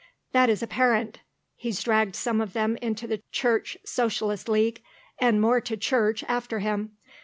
"That is apparent. He's dragged some of them into the Church Socialist League, and more to church after him.